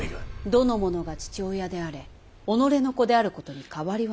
どの者が父親であれ己の子であることにかわりはない。